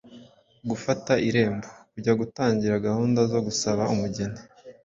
Gufata irembo: kujya gutangira gahunda zo gusaba umugeni